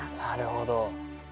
なるほど。